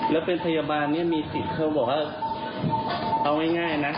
แล้วเป็นพยาบาลเนี่ยมีสิทธิ์เขาบอกว่าเอาง่ายนะ